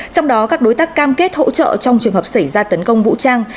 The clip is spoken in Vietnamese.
trong đó các đối tác cam kết hỗ trợ trong trường hợp xảy ra tấn công vũ trang